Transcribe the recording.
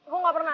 lo ga pernah